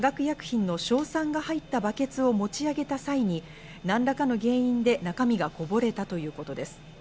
当時工場では清掃作業中で、化学薬品の硝酸が入ったバケツを持ち上げた際に何らかの原因で中身がこぼれたということです。